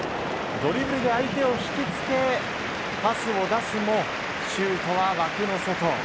ドリブルで相手を引きつけパスを出すも、シュートは枠の外。